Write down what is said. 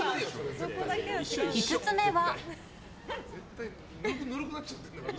５つ目は。